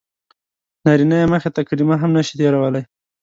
نارینه یې مخې ته کلمه هم نه شي تېرولی.